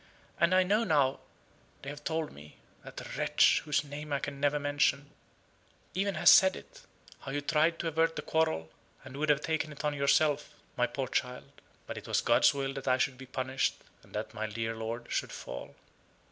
And I know now they have told me. That wretch, whose name I can never mention, even has said it: how you tried to avert the quarrel, and would have taken it on yourself, my poor child: but it was God's will that I should be punished, and that my dear lord should fall."